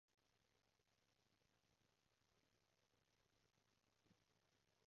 揭尾故係你要估答案唔係問返我喎